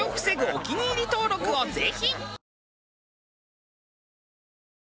お気に入り登録をぜひ！